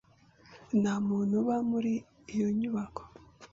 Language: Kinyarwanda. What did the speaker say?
Nta muntu uba muri iyo nyubako.